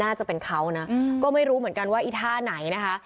น่าจะเป็นเขานะก็ไม่รู้เหมือนกันว่าอีท่าไหนนะคะ